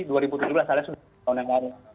seharusnya sudah tahun yang baru